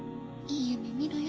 いい夢見ろよ。